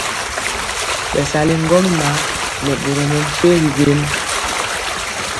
Bɛsali ŋgomnaŋ nɛ boro mɛmpegi bɛnd.